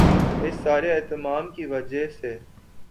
اس سارے اہتمام کی وجہ سے